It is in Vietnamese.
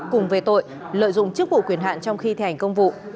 cùng về tội lợi dụng chức vụ quyền hạn trong khi thi hành công vụ